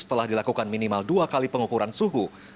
setelah dilakukan minimal dua kali pengukuran suhu